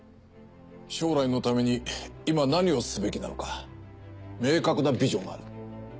将来のために今何をすべきなのか明確なビジョンがある。